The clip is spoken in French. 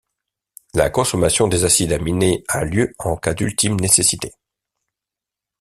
La consommation des acides aminés a lieu en cas d'ultime nécessité.